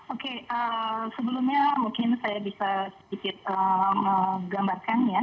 oke sebelumnya mungkin saya bisa sedikit menggambarkannya